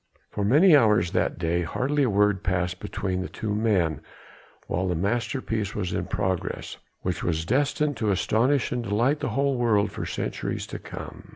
For many hours that day hardly a word passed between the two men while the masterpiece was in progress, which was destined to astonish and delight the whole world for centuries to come.